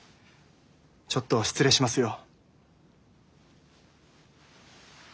ちょっと失礼しますよ。